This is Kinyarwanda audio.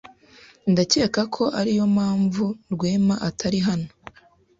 Ndakeka ko ariyo mpamvu Rwema atari hano.